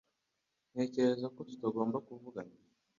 Ntekereza ko tutagomba kuvugana